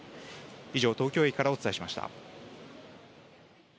以上、東京駅からお伝えしました。